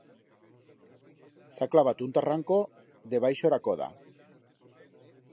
S'ha clavato un tarranco debaixo ra coda.